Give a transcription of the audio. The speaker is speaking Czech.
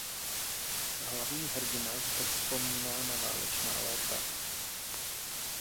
Hlavní hrdina zde vzpomíná na válečná léta.